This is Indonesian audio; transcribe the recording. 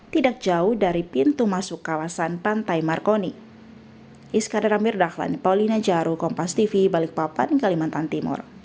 tidak jauh dari pintu masuk kawasan pantai markonir